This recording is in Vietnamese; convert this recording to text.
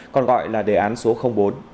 còn gọi là đề án số bốn